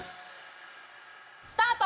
スタート！